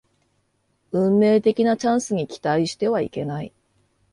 運命的なチャンスに期待してはいけない